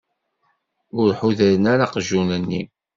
Ur ḥudren ara aqjun-nni?